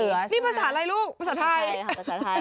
นี่ภาษาอะไรลูกภาษาไทย